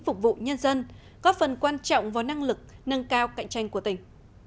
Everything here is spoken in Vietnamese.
phục vụ nhân dân góp phần quan trọng vào năng lực nâng cao cạnh tranh của tỉnh